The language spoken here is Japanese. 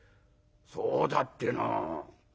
「そうだってな。